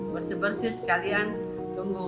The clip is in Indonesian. bersih bersih sekalian tunggu